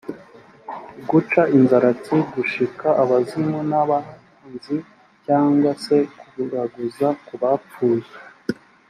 guca inzaratsi, gushika abazimu n’abanzi, cyangwa se kuraguza ku bapfuye.